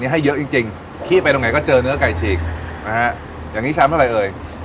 ให้เยอะจริงจริงขี้ไปตรงไหนก็เจอเนื้อไก่ฉีกนะฮะอย่างนี้ชามเท่าไรเอ่ย